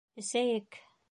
Эсәйек!